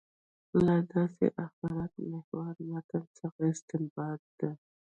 له داسې آخرت محوره متن څخه استنباط ده.